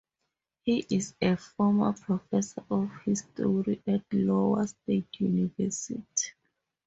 He is a former professor of history at Iowa State University.